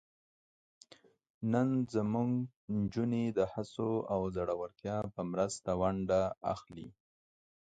نن زموږ نجونې د هڅو او زړورتیا په مرسته ونډه واخلي.